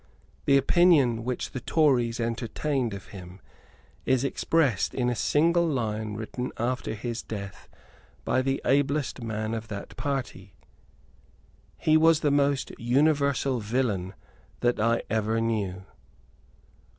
The opinion which the Tories entertained of him is expressed in a single line written after his death by the ablest man of that party; "He was the most universal villain that ever I knew."